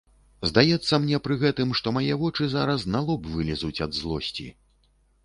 Здаецца мне пры гэтым, што мае вочы зараз на лоб вылезуць ад злосці.